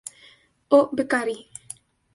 O. Beccari...".